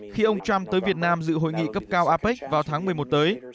khi ông trump tới việt nam dự hội nghị cấp cao apec vào tháng một mươi một tới